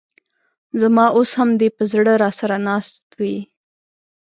ز ما اوس هم دي په زړه راسره ناست وې